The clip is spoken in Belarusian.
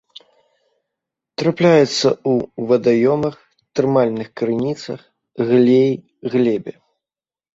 Трапляюцца ў вадаёмах, тэрмальных крыніцах, глеі, глебе.